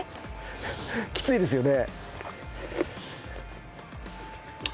きついですよね。